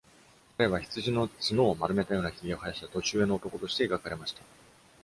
彼は羊の角を丸めたようなひげを生やした年上の男として描かれました。